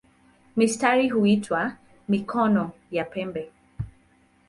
Mistari huitwa "mikono" ya pembe.